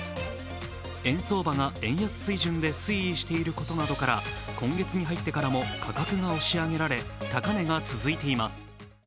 円相場が円安水準で推移していることなどから今月に入ってからも価格が押し上げられ、高値が続いています。